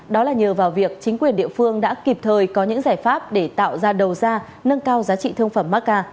đó là nhờ vào việc chính quyền địa phương đã kịp thời có những giải pháp để tạo ra đầu ra nâng cao giá trị thương phẩm macca